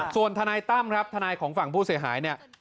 ส่วนธันายตั้มครับธนายของฝั่งผู้เสียหาย